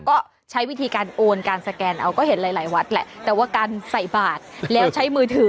ก็ใช้วิธีการโอนการสแกนเอาก็เห็นหลายวัดแหละ